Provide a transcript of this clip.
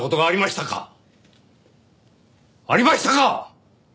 ありましたか！？